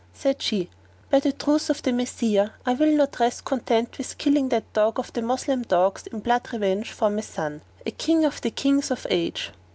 Said she, "By the truth of the Messiah, I will not rest content with killing that dog of the Moslem dogs in blood revenge for my son, a King of the Kings of the age!